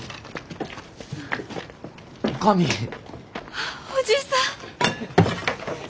あおじさん！